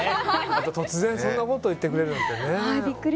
突然、そんなことを言ってくれるなんてね。